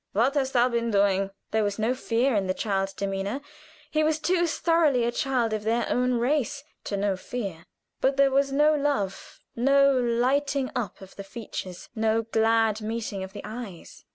"What hast thou been doing?" There was no fear in the child's demeanor he was too thoroughly a child of their own race to know fear but there was no love, no lighting up of the features, no glad meeting of the eyes.